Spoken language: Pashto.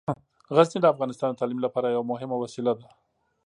غزني د افغانستان د تعلیم لپاره یوه مهمه سیمه ده.